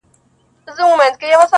o انسان د بادو بنۍ ده!